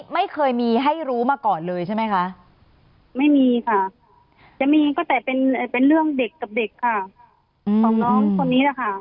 ไม่เคยมีให้รู้มาก่อนเลยใช่ไหมคะไม่มีค่ะจะมีก็แต่เป็นเรื่องเด็กกับเด็กค่ะของน้องคนนี้แหละค่ะ